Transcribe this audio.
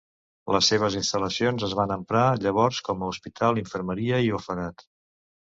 Les seves instal·lacions es van emprar llavors com a hospital, infermeria i orfenat.